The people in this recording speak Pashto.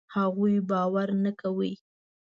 هغوی باور نه کاوه.